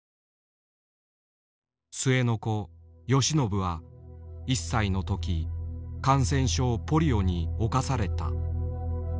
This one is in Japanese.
末の子宜靖は１歳の時感染症ポリオに冒された。